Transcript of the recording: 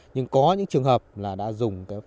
nhưng có những trường hợp là đã dùng